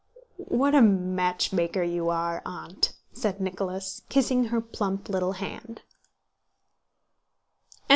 "What a matchmaker you are, Aunt..." said Nicholas, kissing her plump little hand.